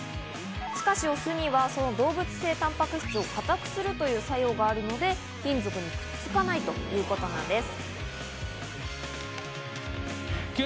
しかしお酢にはその動物性タンパク質を硬くするという作用があるので、金属にくっつかないということなんです。